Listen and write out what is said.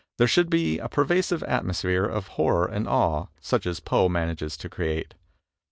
There should be a per vasive atmosphere of horror and awe such as Poe manages to create.